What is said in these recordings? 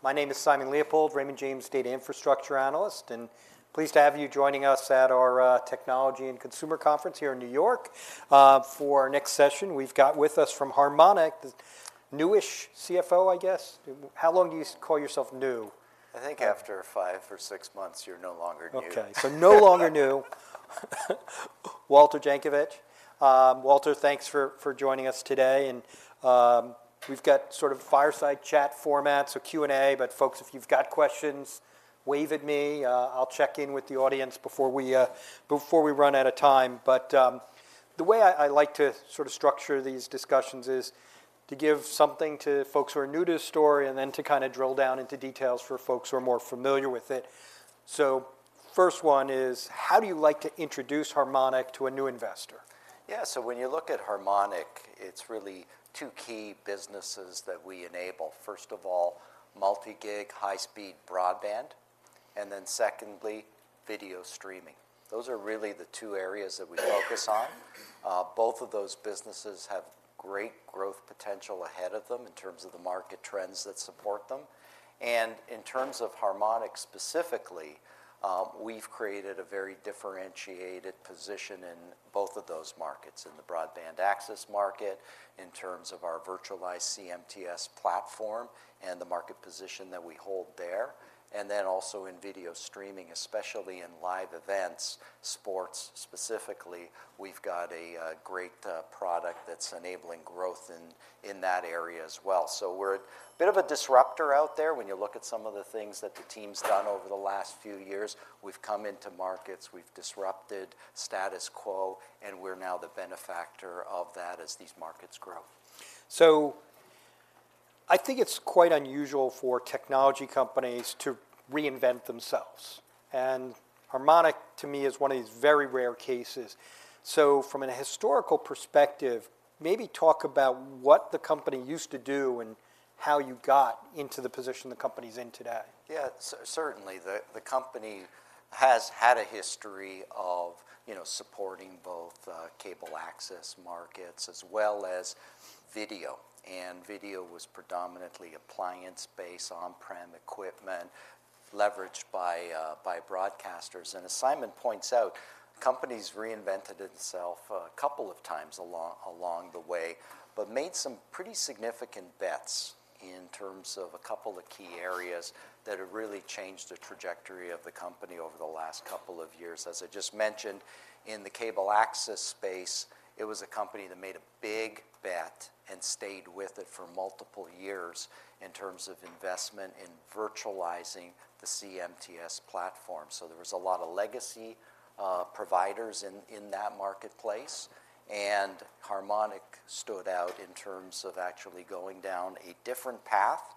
My name is Simon Leopold, Raymond James Data Infrastructure Analyst, and pleased to have you joining us at our Technology and Consumer Conference here in New York. For our next session, we've got with us from Harmonic, the newish CFO, I guess. How long do you call yourself new? I think after five or six months, you're no longer new. Okay, Walter Jankovic. Walter, thanks for joining us today, and we've got sort of a fireside chat format, so Q&A, but folks, if you've got questions, wave at me. I'll check in with the audience before we run out of time. But the way I like to sort of structure these discussions is to give something to folks who are new to the story, and then to kind of drill down into details for folks who are more familiar with it. So first one is: How do you like to introduce Harmonic to a new investor? Yeah, so when you look at Harmonic, it's really two key businesses that we enable. First of all, multi-gig, high-speed broadband, and then secondly, video streaming. Those are really the two areas that we focus on. Both of those businesses have great growth potential ahead of them in terms of the market trends that support them. And in terms of Harmonic specifically, we've created a very differentiated position in both of those markets, in the broadband access market, in terms of our virtualized CMTS platform and the market position that we hold there, and then also in video streaming, especially in live events, sports specifically, we've got a great product that's enabling growth in that area as well. So we're a bit of a disruptor out there when you look at some of the things that the team's done over the last few years. We've come into markets, we've disrupted status quo, and we're now the benefactor of that as these markets grow. So I think it's quite unusual for technology companies to reinvent themselves, and Harmonic, to me, is one of these very rare cases. So from a historical perspective, maybe talk about what the company used to do and how you got into the position the company's in today. Yeah, certainly. The company has had a history of, you know, supporting both cable access markets as well as video, and video was predominantly appliance-based, on-prem equipment, leveraged by broadcasters. And as Simon points out, the company reinvented itself a couple of times along the way, but made some pretty significant bets in terms of a couple of key areas that have really changed the trajectory of the company over the last couple of years. As I just mentioned, in the cable access space, it was a company that made a big bet and stayed with it for multiple years in terms of investment in virtualizing the CMTS platform. So there was a lot of legacy providers in that marketplace, and Harmonic stood out in terms of actually going down a different path,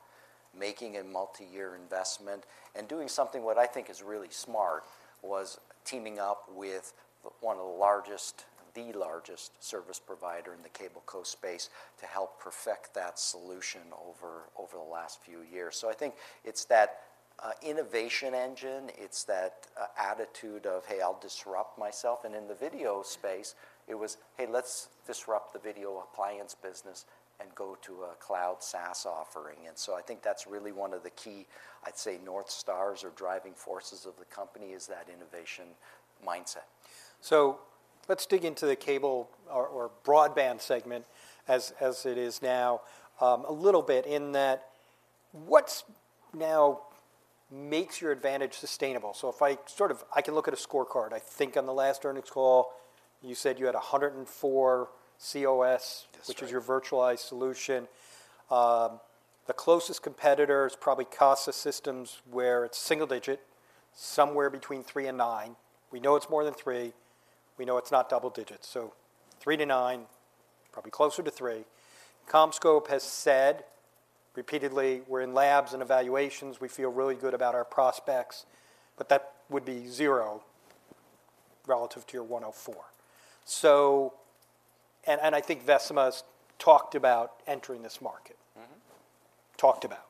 making a multi-year investment, and doing something what I think is really smart, was teaming up with one of the largest, the largest service provider in the cable cos space to help perfect that solution over the last few years. So I think it's that innovation engine, it's that attitude of, "Hey, I'll disrupt myself." And in the video space, it was, "Hey, let's disrupt the video appliance business and go to a cloud SaaS offering." And so I think that's really one of the key, I'd say, North Stars or driving forces of the company, is that innovation mindset. So let's dig into the Cable or Broadband segment as it is now, a little bit, in that, what now makes your advantage sustainable? So if I sort of, I can look at a scorecard. I think on the last earnings call, you said you had 104 cOS- That's right Which is your virtualized solution. The closest competitor is probably Casa Systems, where it's single digit, somewhere between three and nine. We know it's more than three, we know it's not double digits, so three to nine, probably closer to three. CommScope has said repeatedly, "We're in labs and evaluations. We feel really good about our prospects," but that would be zero relative to your 104. So, I think Vecima's talked about entering this market. Talked about.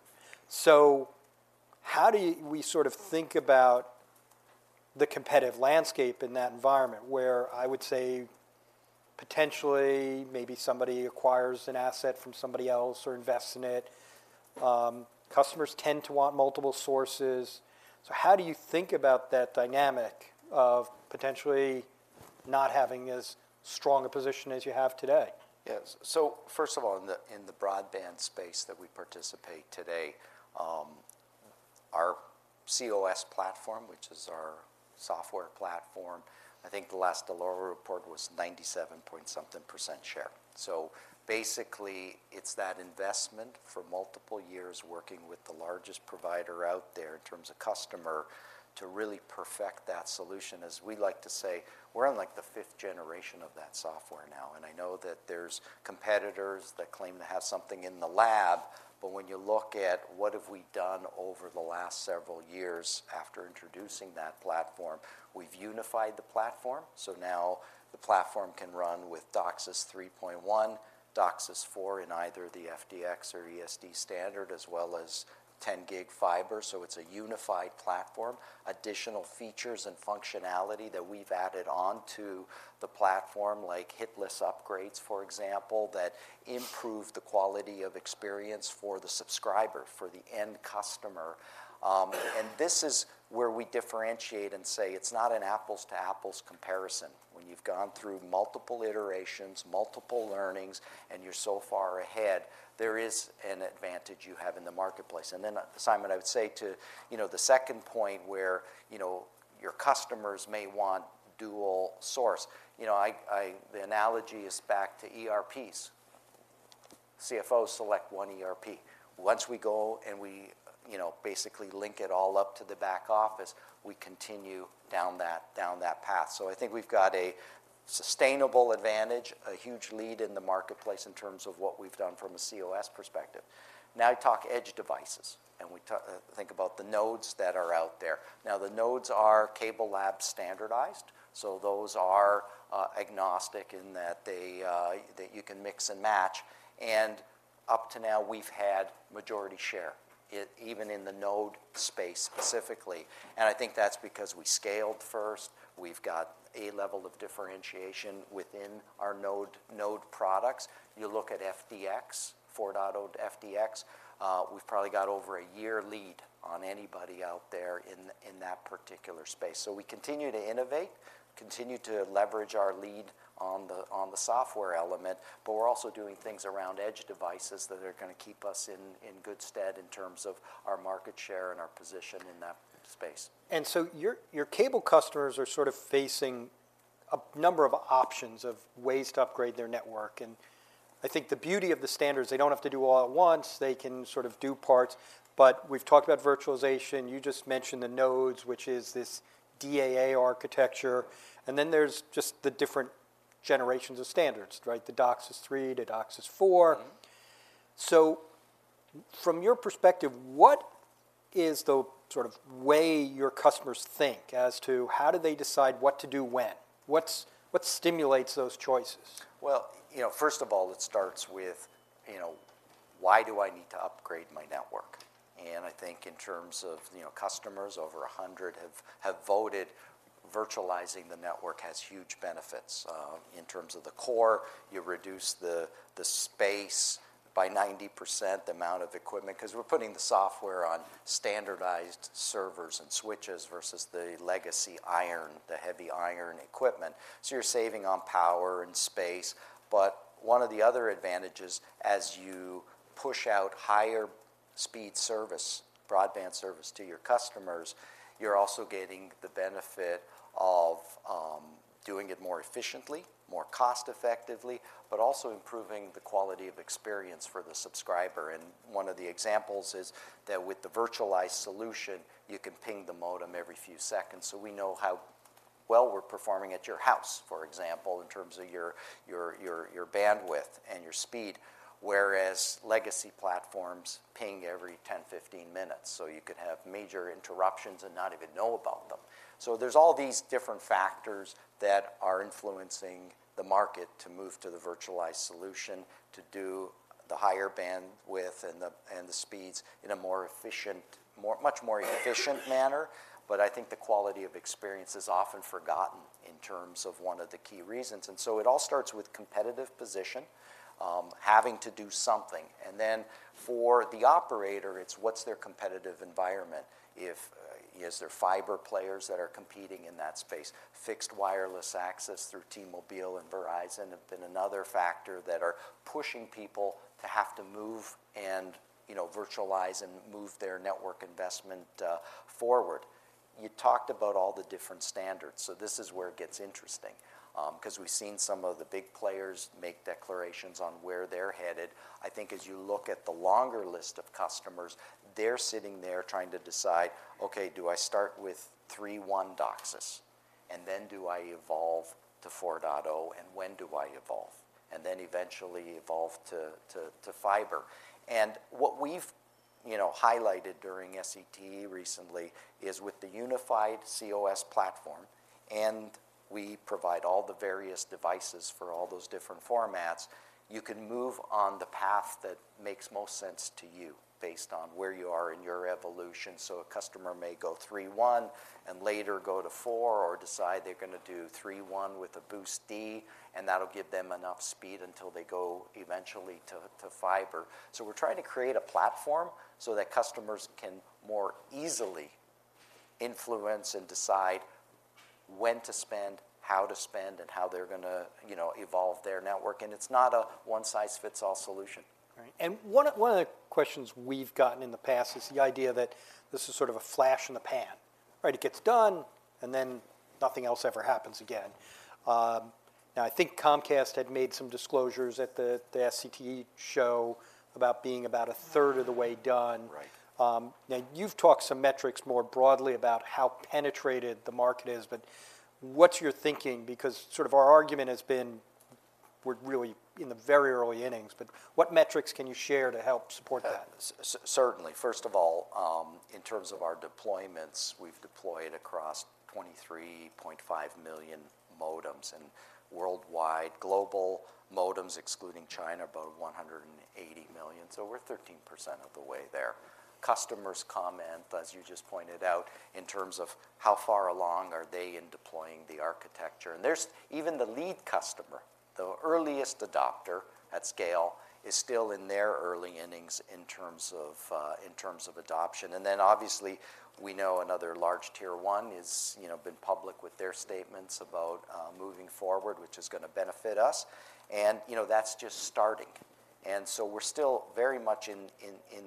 So how do we sort of think about the competitive landscape in that environment, where I would say, potentially, maybe somebody acquires an asset from somebody else or invests in it? Customers tend to want multiple sources. So how do you think about that dynamic of potentially not having as strong a position as you have today? Yes. So first of all, in the broadband space that we participate today, our cOS platform, which is our software platform, I think the last Dell'Oro report was 97. something% share. So basically, it's that investment for multiple years, working with the largest provider out there in terms of customer, to really perfect that solution. As we like to say, we're on, like, the fifth generation of that software now, and I know that there's competitors that claim to have something in the lab, but when you look at what have we done over the last several years after introducing that platform, we've unified the platform, so now the platform can run with DOCSIS 3.1, DOCSIS 4 in either the FDX or ESD standard, as well as 10G fiber, so it's a unified platform. Additional features and functionality that we've added on to the platform, like hitless upgrades, for example, that improve the quality of experience for the subscriber, for the end customer. And this is where we differentiate and say it's not an apples-to-apples comparison. When you've gone through multiple iterations, multiple learnings, and you're so far ahead, there is an advantage you have in the marketplace. And then, Simon, I would say to, you know, the second point where, you know, your customers may want dual source, you know, the analogy is back to ERPs. CFOs select one ERP. Once we go and we, you know, basically link it all up to the back office, we continue down that path. So I think we've got a sustainable advantage, a huge lead in the marketplace in terms of what we've done from a cOS perspective. Now, talk edge devices, and we think about the nodes that are out there. Now, the nodes are CableLabs standardized, so those are agnostic in that they that you can mix and match, and up to now, we've had majority share, even in the node space specifically, and I think that's because we scaled first. We've got a level of differentiation within our node products. You look at FDX, 4.0 FDX, we've probably got over a year lead on anybody out there in that particular space. So we continue to innovate, continue to leverage our lead on the software element, but we're also doing things around edge devices that are gonna keep us in good stead in terms of our market share and our position in that space. So your cable customers are sort of facing a number of options of ways to upgrade their network, and I think the beauty of the standards, they don't have to do all at once. They can sort of do parts. But we've talked about virtualization, you just mentioned the nodes, which is this DAA architecture, and then there's just the different generations of standards, right? The DOCSIS 3, the DOCSIS 4. From your perspective, what is the sort of way your customers think as to how do they decide what to do when? What stimulates those choices? Well, you know, first of all, it starts with, you know, why do I need to upgrade my network? And I think in terms of, you know, customers, over 100 have voted virtualizing the network has huge benefits. In terms of the core, you reduce the space by 90%, the amount of equipment, 'cause we're putting the software on standardized servers and switches versus the legacy iron, the heavy iron equipment. So you're saving on power and space. But one of the other advantages, as you push out higher speed service, broadband service to your customers, you're also getting the benefit of doing it more efficiently, more cost-effectively, but also improving the quality of experience for the subscriber. One of the examples is that with the virtualized solution, you can ping the modem every few seconds, so we know how well we're performing at your house, for example, in terms of your bandwidth and your speed. Whereas legacy platforms ping every 10-15 minutes, so you could have major interruptions and not even know about them. So there's all these different factors that are influencing the market to move to the virtualized solution, to do the higher bandwidth and the speeds in a more efficient, much more efficient manner. But I think the quality of experience is often forgotten in terms of one of the key reasons. And so it all starts with competitive position, having to do something, and then for the operator, it's what's their competitive environment? If, is there fiber players that are competing in that space? Fixed wireless access through T-Mobile and Verizon have been another factor that are pushing people to have to move and, you know, virtualize and move their network investment, forward. You talked about all the different standards, so this is where it gets interesting, 'cause we've seen some of the big players make declarations on where they're headed. I think as you look at the longer list of customers, they're sitting there trying to decide, "Okay, do I start with 3.1 DOCSIS, and then do I evolve to 4.0, and when do I evolve, and then eventually evolve to fiber?" What we've, you know, highlighted during SCTE recently is with the unified cOS platform, and we provide all the various devices for all those different formats, you can move on the path that makes most sense to you based on where you are in your evolution. A customer may go 3.1 and later go to 4.0, or decide they're gonna do 3.1 with a BoostD, and that'll give them enough speed until they go eventually to fiber. So we're trying to create a platform so that customers can more easily influence and decide when to spend, how to spend, and how they're gonna, you know, evolve their network, and it's not a one-size-fits-all solution. Right. And one of the questions we've gotten in the past is the idea that this is sort of a flash in the pan, right? It gets done, and then nothing else ever happens again. Now, I think Comcast had made some disclosures at the SCTE show about being about a third of the way done. Right. Now, you've talked some metrics more broadly about how penetrated the market is, but what's your thinking? Because sort of our argument has been we're really in the very early innings, but what metrics can you share to help support that? Certainly. First of all, in terms of our deployments, we've deployed across 23.5 million modems and worldwide, global modems, excluding China, and so we're 13% of the way there. Customers comment, as you just pointed out, in terms of how far along are they in deploying the architecture, and there's even the lead customer, the earliest adopter at scale, is still in their early innings in terms of in terms of adoption. And then obviously, we know another large tier one is, you know, been public with their statements about moving forward, which is gonna benefit us. You know, that's just starting, and so we're still very much in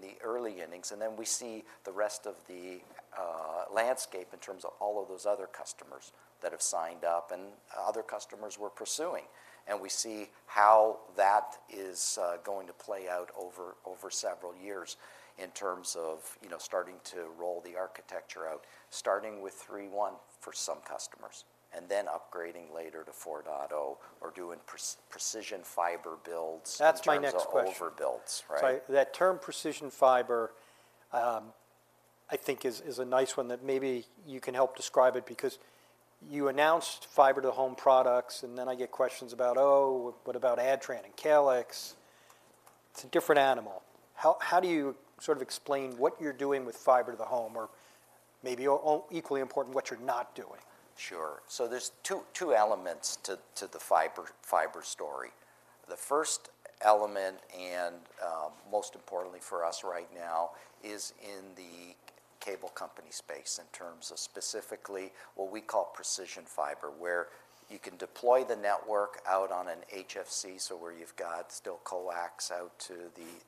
the early innings, and then we see the rest of the landscape in terms of all of those other customers that have signed up and other customers we're pursuing. And we see how that is going to play out over several years in terms of, you know, starting to roll the architecture out, starting with 3.1 for some customers, and then upgrading later to 4.0 or doing precision fiber builds- That's my next question. In terms of over builds, right? So that term, precision fiber, I think is a nice one that maybe you can help describe it because you announced fiber to the home products, and then I get questions about, "Oh, what about Adtran and Calix?" It's a different animal. How do you sort of explain what you're doing with fiber to the home or maybe equally important, what you're not doing? Sure. So there's two elements to the fiber story. The first element, and most importantly for us right now, is in the cable company space, in terms of specifically what we call precision fiber, where you can deploy the network out on an HFC, so where you've got still coax out to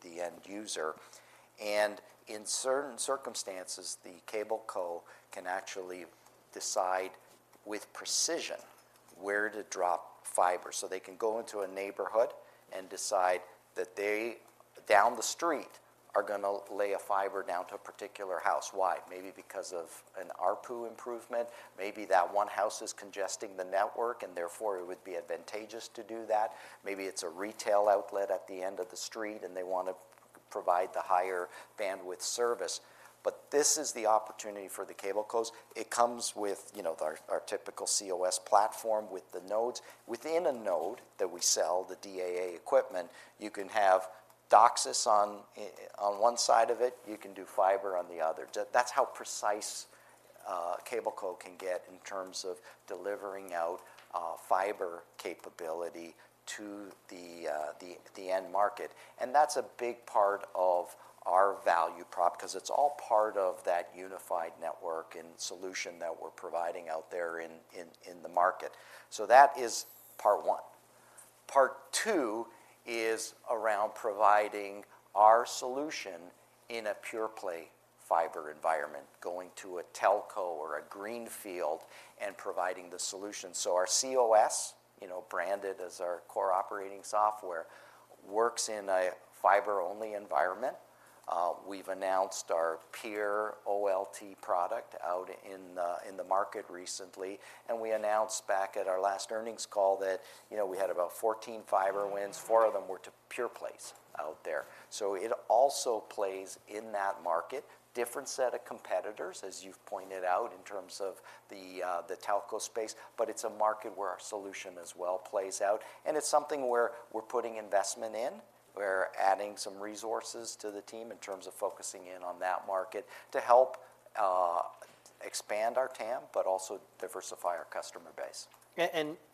the end user. And in certain circumstances, the cable co can actually decide with precision where to drop fiber. So they can go into a neighborhood and decide that they down the street are gonna lay a fiber down to a particular house. Why? Maybe because of an ARPU improvement. Maybe that one house is congesting the network, and therefore, it would be advantageous to do that. Maybe it's a retail outlet at the end of the street, and they want to provide the higher bandwidth service. But this is the opportunity for the cable cos. It comes with, you know, our, our typical cOS platform with the nodes. Within a node that we sell, the DAA equipment, you can have DOCSIS on one side of it, you can do fiber on the other. That's how precise a cable co can get in terms of delivering out fiber capability to the end market, and that's a big part of our value prop 'cause it's all part of that unified network and solution that we're providing out there in the market. So that is part one. Part two is around providing our solution in a pure play fiber environment, going to a telco or a greenfield and providing the solution. So our cOS, you know, branded as our core operating software, works in a fiber-only environment. We've announced our pure OLT product out in the market recently, and we announced back at our last earnings call that, you know, we had about 14 fiber wins. Four of them were to pure plays out there. So it also plays in that market. Different set of competitors, as you've pointed out, in terms of the telco space, but it's a market where our solution as well plays out, and it's something where we're putting investment in. We're adding some resources to the team in terms of focusing in on that market to help expand our TAM, but also diversify our customer base.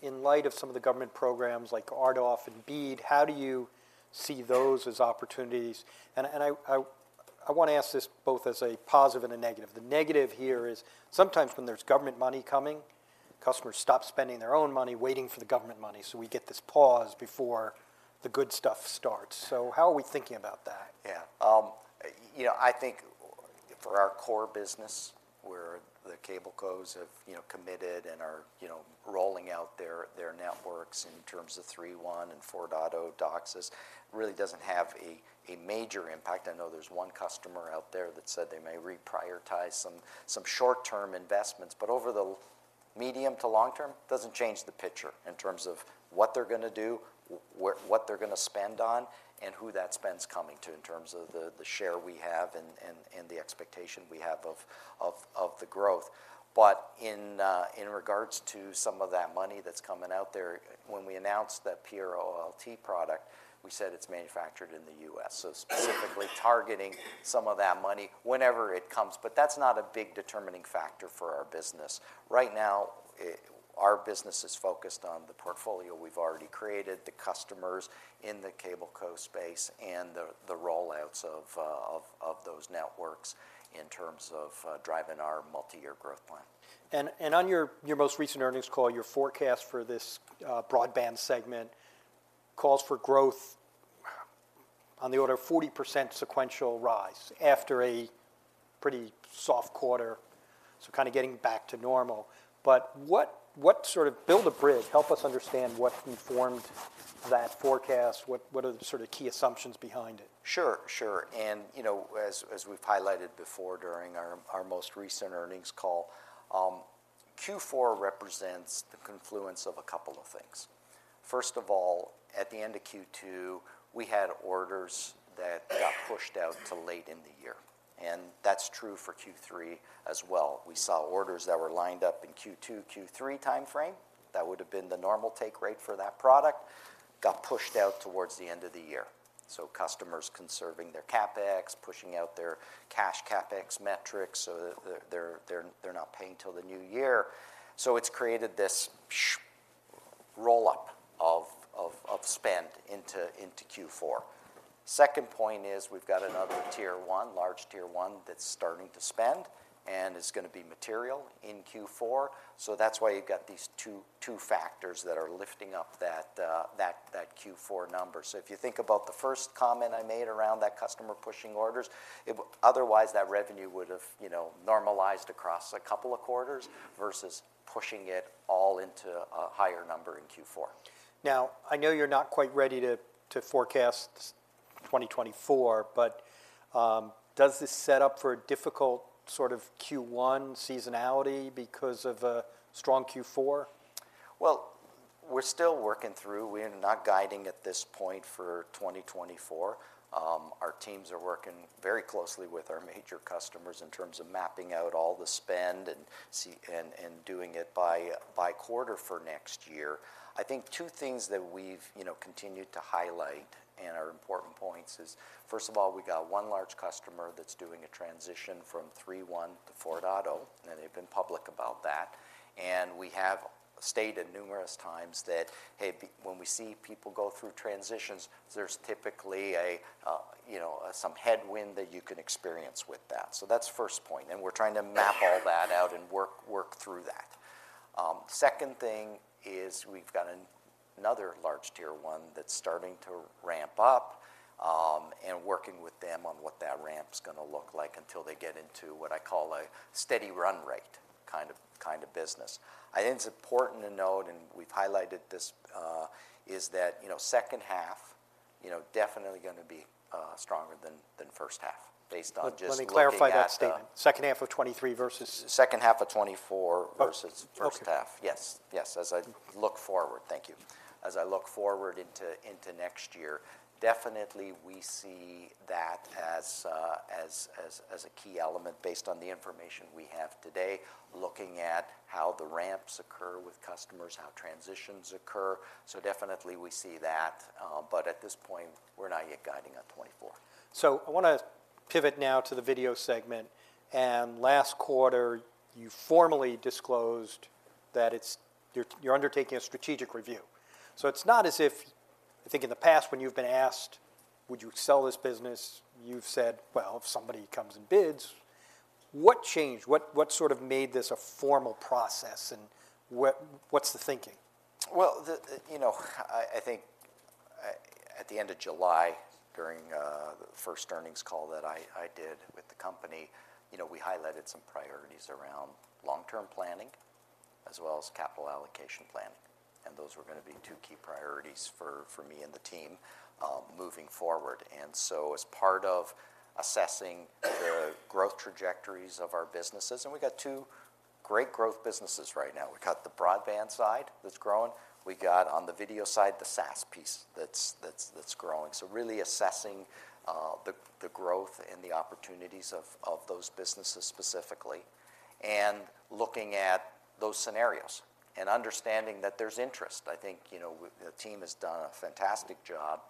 In light of some of the government programs like RDOF and BEAD, how do you see those as opportunities? And I want to ask this both as a positive and a negative. The negative here is sometimes when there's government money coming, customers stop spending their own money waiting for the government money, so we get this pause before the good stuff starts. So how are we thinking about that? Yeah. You know, I think for our core business, where the cable cos have, you know, committed and are, you know, rolling out their networks in terms of 3.1 and 4.0 DOCSIS, really doesn't have a major impact. I know there's one customer out there that said they may reprioritize some short-term investments, but over the medium to long term, doesn't change the picture in terms of what they're gonna do, what they're gonna spend on, and who that spend's coming to in terms of the share we have and the expectation we have of the growth. But in regards to some of that money that's coming out there, when we announced that pure OLT product, we said it's manufactured in the U.S., so specifically targeting some of that money whenever it comes, but that's not a big determining factor for our business. Right now, our business is focused on the portfolio we've already created, the customers in the cable cos space, and the rollouts of those networks in terms of driving our multi-year growth plan. On your most recent earnings call, your forecast for this Broadband segment calls for growth on the order of 40% sequential rise after a pretty soft quarter, so kind of getting back to normal. What sort of... build a bridge, help us understand what informed that forecast. What are the sort of key assumptions behind it? Sure, sure. And, you know, as we've highlighted before during our most recent earnings call, Q4 represents the confluence of a couple of things. First of all, at the end of Q2, we had orders that got pushed out to late in the year, and that's true for Q3 as well. We saw orders that were lined up in Q2, Q3 timeframe. That would've been the normal take rate for that product, got pushed out towards the end of the year, so customers conserving their CapEx, pushing out their cash CapEx metrics so that they're not paying till the new year. So it's created this roll-up of spend into Q4. Second point is, we've got another tier one, large tier one that's starting to spend, and it's gonna be material in Q4. So that's why you've got these two factors that are lifting up that Q4 number. So if you think about the first comment I made around that customer pushing orders, otherwise that revenue would've, you know, normalized across a couple of quarters, versus pushing it all into a higher number in Q4. Now, I know you're not quite ready to forecast 2024, but does this set up for a difficult sort of Q1 seasonality because of a strong Q4? Well, we're still working through. We're not guiding at this point for 2024. Our teams are working very closely with our major customers in terms of mapping out all the spend and doing it by quarter for next year. I think two things that we've, you know, continued to highlight and are important points is, first of all, we've got one large customer that's doing a transition from 3.1 to 4.0, and they've been public about that. And we have stated numerous times that, hey, when we see people go through transitions, there's typically a, you know, some headwind that you can experience with that. So that's first point, and we're trying to map all that out and work through that. Second thing is we've got another large tier one that's starting to ramp up, and working with them on what that ramp's gonna look like until they get into what I call a steady run rate kind of, kind of business. I think it's important to note, and we've highlighted this, is that, you know, second half, you know, definitely gonna be stronger than first half based on just- Let me clarify that statement. Second half of 2023 versus- Second half of 2024- Oh, okay Versus first half. Yes, yes. As I look forward, thank you. As I look forward into next year, definitely we see that as a key element based on the information we have today, looking at how the ramps occur with customers, how transitions occur. So definitely we see that, but at this point, we're not yet guiding on 2024. So I wanna pivot now to the Video segment, and last quarter, you formally disclosed that it's. You're undertaking a strategic review. So it's not as if, I think in the past, when you've been asked, "Would you sell this business?" You've said, "Well, if somebody comes and bids." What changed? What sort of made this a formal process, and what's the thinking? Well, you know, I think at the end of July, during the first earnings call that I did with the company, you know, we highlighted some priorities around long-term planning, as well as capital allocation planning, and those were gonna be two key priorities for me and the team moving forward. So as part of assessing the growth trajectories of our businesses. We've got two great growth businesses right now. We've got the broadband side that's growing. We got on the video side, the SaaS piece, that's growing. So really assessing the growth and the opportunities of those businesses specifically, and looking at those scenarios and understanding that there's interest. I think, you know, the team has done a fantastic job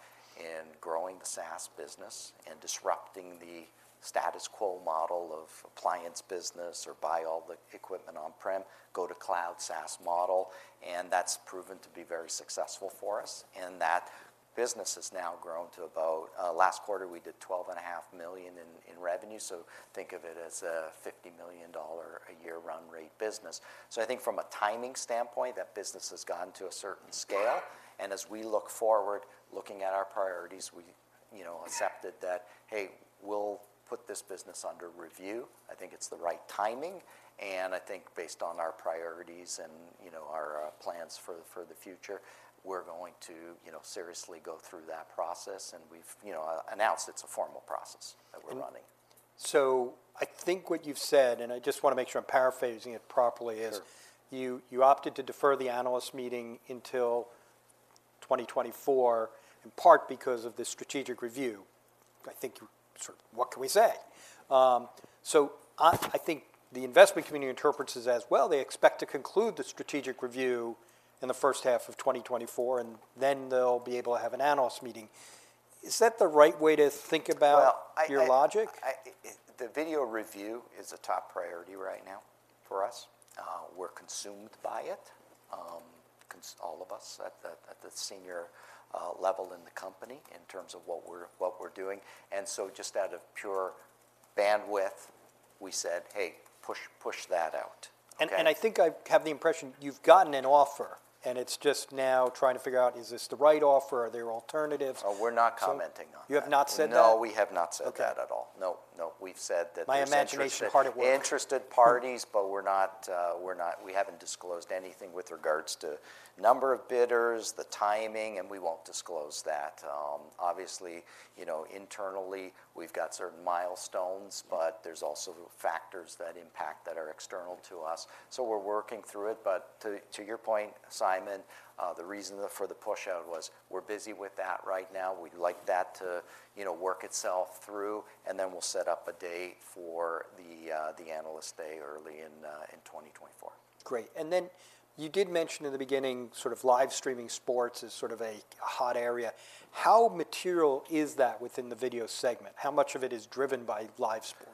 in growing the SaaS business and disrupting the status quo model of appliance business, or buy all the equipment on-prem, go to cloud SaaS model, and that's proven to be very successful for us. And that business has now grown to about, last quarter, we did $12.5 million in revenue, so think of it as a $50 million a year run rate business. So I think from a timing standpoint, that business has gotten to a certain scale, and as we look forward, looking at our priorities, we, you know, accepted that, hey, we'll put this business under review. I think it's the right timing, and I think based on our priorities and, you know, our plans for the future, we're going to, you know, seriously go through that process, and we've, you know, announced it's a formal process that we're running. So I think what you've said, and I just wanna make sure I'm paraphrasing it properly is you, you opted to defer the analyst meeting until 2024, in part because of the strategic review. I think you sort of... What can we say? So I think the investment community interprets this as, well, they expect to conclude the strategic review in the first half of 2024, and then they'll be able to have an analyst meeting. Is that the right way to think about your logic? The video review is a top priority right now for us. We're consumed by it, all of us at the senior level in the company, in terms of what we're, what we're doing. And so just out of pure bandwidth, we said, "Hey, push, push that out." And I think I have the impression you've gotten an offer, and it's just now trying to figure out, is this the right offer? Are there alternatives? Oh, we're not commenting on that. You have not said that? No, we have not said that at all. Okay. No, no. We've said that there's interest- My imagination hard at work. -interested parties, but we're not we haven't disclosed anything with regards to number of bidders, the timing, and we won't disclose that. Obviously, you know, internally, we've got certain milestones, but there's also factors that impact that are external to us. So we're working through it, but to your point, Simon, the reason for the pushout was we're busy with that right now. We'd like that to you know, work itself through, and then we'll set up a date for the, the Analyst Day early in in 2024. Great. Then you did mention in the beginning, sort of live streaming sports as sort of a hot area. How material is that within the Video segment? How much of it is driven by live sports?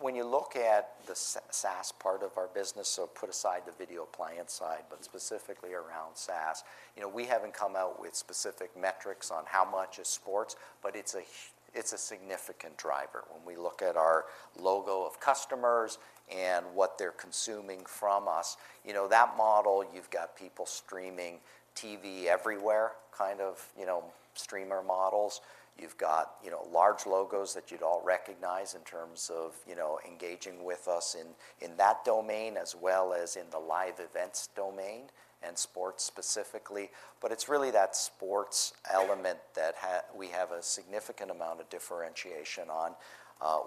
When you look at the SaaS part of our business, so put aside the video appliance side, but specifically around SaaS, you know, we haven't come out with specific metrics on how much is sports, but it's a significant driver. When we look at our logo of customers and what they're consuming from us, you know, that model, you've got people streaming TV Everywhere, kind of, you know, streamer models. You've got, you know, large logos that you'd all recognize in terms of, you know, engaging with us in that domain, as well as in the live events domain, and sports specifically. But it's really that sports element that we have a significant amount of differentiation on.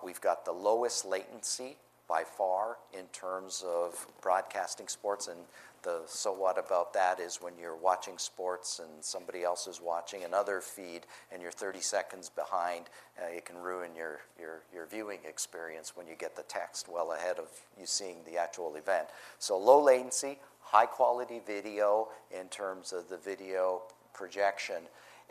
We've got the lowest latency, by far, in terms of broadcasting sports. The so what about that is when you're watching sports and somebody else is watching another feed and you're 30 seconds behind, it can ruin your viewing experience when you get the text well ahead of you seeing the actual event. So low latency, high quality video in terms of the video projection,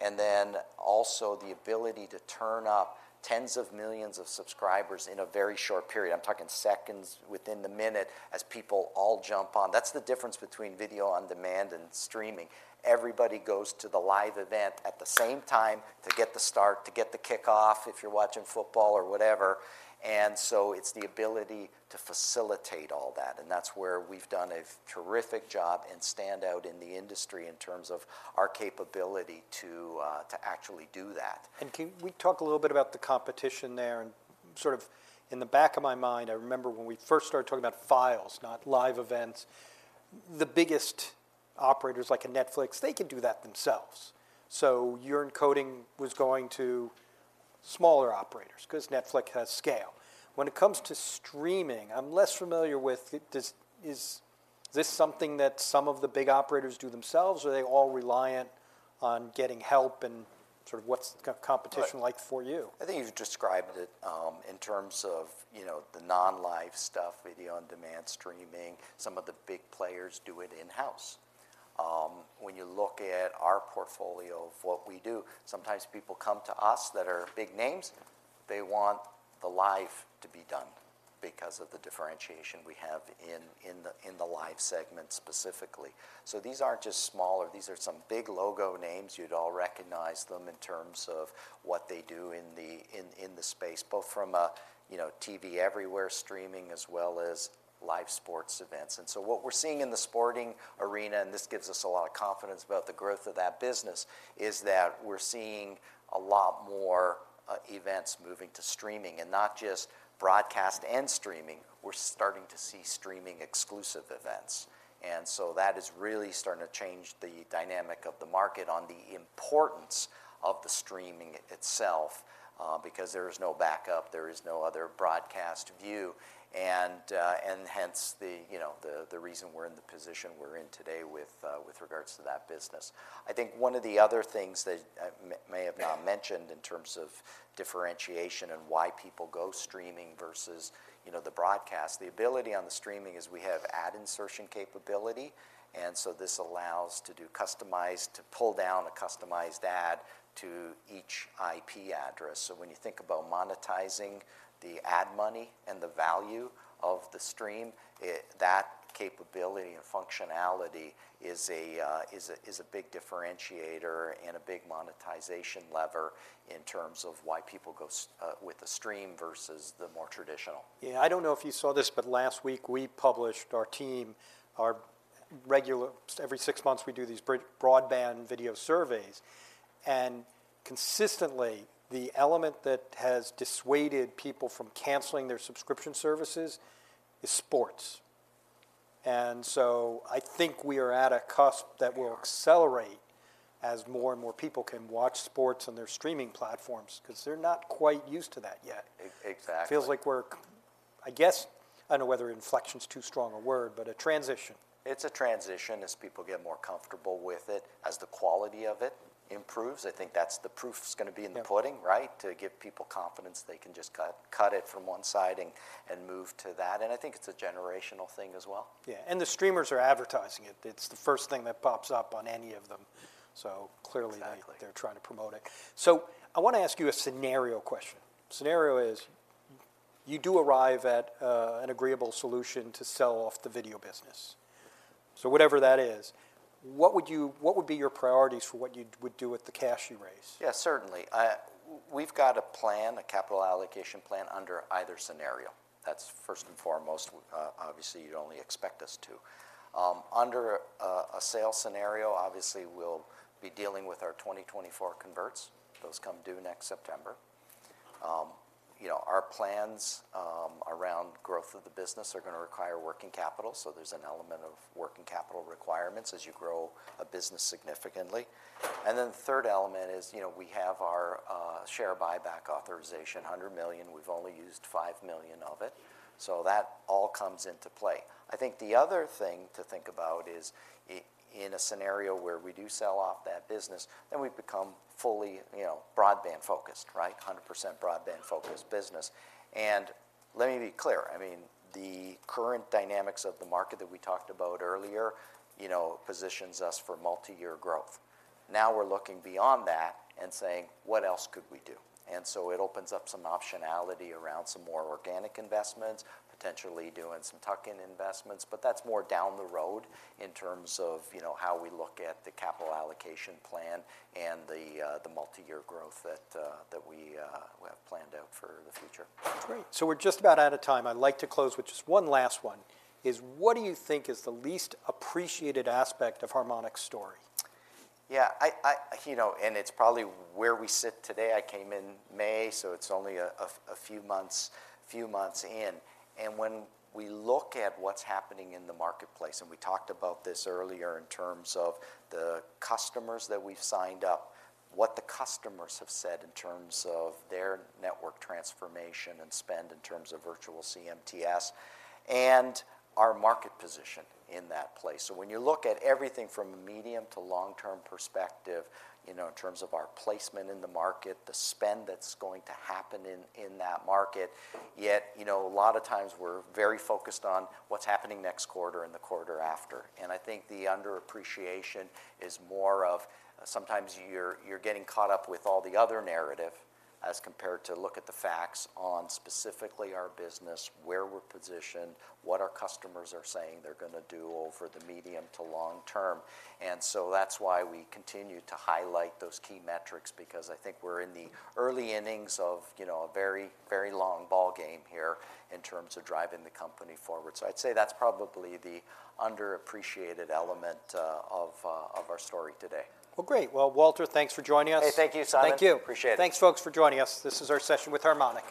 and then also the ability to turn up tens of millions of subscribers in a very short period. I'm talking seconds, within the minute, as people all jump on. That's the difference between video on demand and streaming. Everybody goes to the live event at the same time to get the start, to get the kickoff, if you're watching football or whatever, and so it's the ability to facilitate all that, and that's where we've done a terrific job and stand out in the industry in terms of our capability to actually do that. Can we talk a little bit about the competition there? Sort of in the back of my mind, I remember when we first started talking about files, not live events, the biggest operators, like a Netflix, they can do that themselves. So your encoding was going to smaller operators, because Netflix has scale. When it comes to streaming, I'm less familiar with it. Is this something that some of the big operators do themselves, or are they all reliant on getting help, and sort of what's the competition like for you? I think you've described it in terms of, you know, the non-live stuff, video on demand, streaming. Some of the big players do it in-house. When you look at our portfolio of what we do, sometimes people come to us that are big names. They want the live to be done because of the differentiation we have in the Live segment specifically. So these aren't just smaller; these are some big logo names. You'd all recognize them in terms of what they do in the space, both from a, you know, TV everywhere, streaming, as well as live sports events. And so what we're seeing in the sporting arena, and this gives us a lot of confidence about the growth of that business, is that we're seeing a lot more events moving to streaming. And not just broadcast and streaming, we're starting to see streaming exclusive events. And so that is really starting to change the dynamic of the market on the importance of the streaming itself, because there is no backup, there is no other broadcast view, and hence, you know, the reason we're in the position we're in today with regards to that business. I think one of the other things that I may have not mentioned in terms of differentiation and why people go streaming versus, you know, the broadcast, the ability on the streaming is we have ad insertion capability, and so this allows to do customized to pull down a customized ad to each IP address. So when you think about monetizing the ad money and the value of the stream, that capability and functionality is a big differentiator and a big monetization lever in terms of why people go with the stream versus the more traditional. Yeah, I don't know if you saw this, but last week we published, our team, our regular, every six months, we do these broadband video surveys, and consistently, the element that has dissuaded people from canceling their subscription services is sports. And so I think we are at a cusp that will accelerate as more and more people can watch sports on their streaming platforms, 'cause they're not quite used to that yet. Exactly. Feels like we're, I guess, I don't know whether inflection's too strong a word, but a transition. It's a transition as people get more comfortable with it, as the quality of it improves. I think that's the proof is gonna be in the pudding, right? To give people confidence they can just cut it from one side and move to that, and I think it's a generational thing as well. Yeah, and the streamers are advertising it. It's the first thing that pops up on any of them, so clearly- Exactly -they're trying to promote it. So I want to ask you a scenario question. Scenario is, you do arrive at an agreeable solution to sell off the video business. So whatever that is, what would be your priorities for what you'd do with the cash you raise? Yeah, certainly. We've got a plan, a capital allocation plan, under either scenario. That's first and foremost, obviously, you'd only expect us to. Under a sales scenario, obviously, we'll be dealing with our 2024 converts. Those come due next September. You know, our plans around growth of the business are gonna require working capital, so there's an element of working capital requirements as you grow a business significantly. And then the third element is, you know, we have our share buyback authorization, $100 million. We've only used $5 million of it, so that all comes into play. I think the other thing to think about is, in a scenario where we do sell off that business, then we've become fully, you know, broadband focused, right? 100% broadband-focused business. And let me be clear, I mean, the current dynamics of the market that we talked about earlier, you know, positions us for multi-year growth. Now we're looking beyond that and saying, "What else could we do?" And so it opens up some optionality around some more organic investments, potentially doing some tuck-in investments, but that's more down the road in terms of, you know, how we look at the capital allocation plan and the multi-year growth that we have planned out for the future. Great. So we're just about out of time. I'd like to close with just one last one, is what do you think is the least appreciated aspect of Harmonic's story? Yeah, I you know, and it's probably where we sit today. I came in May, so it's only a few months in, and when we look at what's happening in the marketplace, and we talked about this earlier in terms of the customers that we've signed up, what the customers have said in terms of their network transformation and spend in terms of virtual CMTS, and our market position in that place. So when you look at everything from a medium to long-term perspective, you know, in terms of our placement in the market, the spend that's going to happen in that market, yet you know, a lot of times we're very focused on what's happening next quarter and the quarter after. I think the underappreciation is more of sometimes you're getting caught up with all the other narrative, as compared to look at the facts on specifically our business, where we're positioned, what our customers are saying they're gonna do over the medium to long term. And so that's why we continue to highlight those key metrics, because I think we're in the early innings of, you know, a very, very long ball game here in terms of driving the company forward. So I'd say that's probably the underappreciated element of our story today. Well, great. Well, Walter, thanks for joining us. Hey, thank you, Simon. Thank you. Appreciate it. Thanks, folks, for joining us. This is our session with Harmonic.